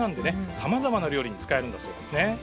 さまざまな料理に使えるんだそうですね。